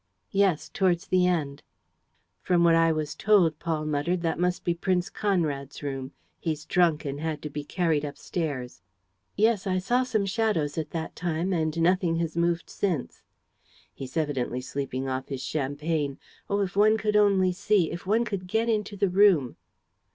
"Yes, towards the end." "From what I was told," Paul muttered, "that must be Prince Conrad's room. He's drunk and had to be carried upstairs." "Yes, I saw some shadows at that time; and nothing has moved since." "He's evidently sleeping off his champagne. Oh, if one could only see, if one could get into the room!"